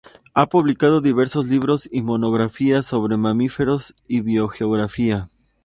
Ha publicado diversos libros y monografías sobre mamíferos y biogeografía.